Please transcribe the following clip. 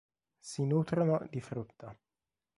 Si nutrono di frutta.